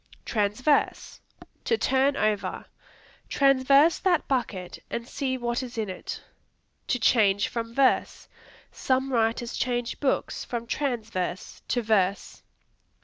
Transverse To turn over; "Transverse that bucket and see what is in it." To change from verse; "Some writers change books from transverse to verse."